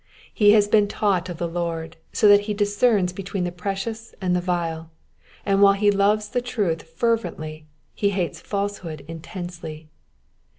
He has been taught of the Lord, so that he discerns between the precious and the vile, and while he loves the truth fervently he hates falsehood intensely.